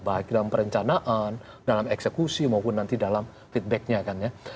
baik dalam perencanaan dalam eksekusi maupun nanti dalam feedbacknya kan ya